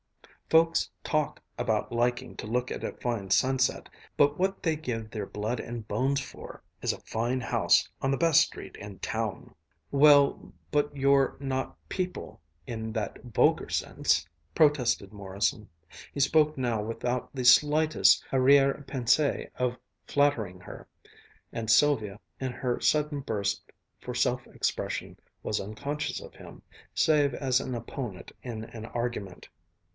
Folks talk about liking to look at a fine sunset, but what they give their blood and bones for, is a fine house on the best street in town!" "Well, but you're not 'people' in that vulgar sense!" protested Morrison. He spoke now without the slightest arrière pensée of flattering her, and Sylvia in her sudden burst for self expression was unconscious of him, save as an opponent in an argument.